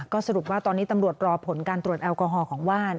ก็สรุปว่าตอนนี้ตำรวจรอผลการตรวจแอลกอฮอลของว่าน